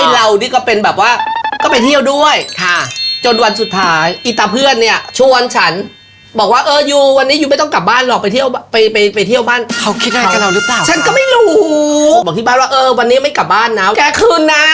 แล้วเค้าก็จูบที่เลยแก